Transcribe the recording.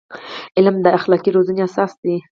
علم د اخلاقي روزنې اساس دی.